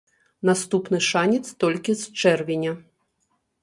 Наступны шанец толькі з чэрвеня.